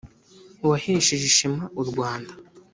wahesheje ishema u rwanda